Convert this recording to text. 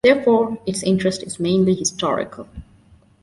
Therefore, its interest is mainly historical.